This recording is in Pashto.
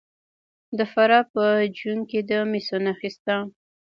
د فراه په جوین کې د مسو نښې شته.